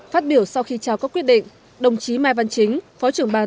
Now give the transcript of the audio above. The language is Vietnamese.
phát biểu sau khi trao các quyết định đồng chí mai văn chính phó trưởng ban